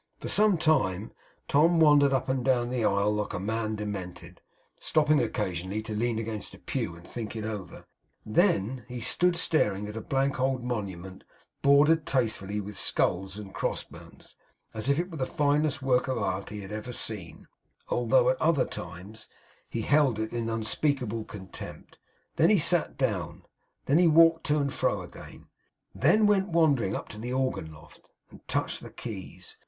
For some time, Tom wandered up and down the aisle like a man demented, stopping occasionally to lean against a pew and think it over; then he stood staring at a blank old monument bordered tastefully with skulls and cross bones, as if it were the finest work of Art he had ever seen, although at other times he held it in unspeakable contempt; then he sat down; then walked to and fro again; then went wandering up into the organ loft, and touched the keys.